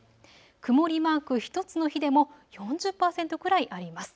曇りマーク１つの日でも４０％くらいあります。